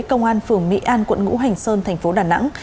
công an phường mỹ an quận ngũ hành sơn tp đà nẵng